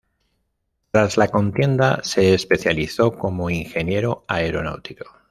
Tras la contienda se especializó como ingeniero aeronáutico.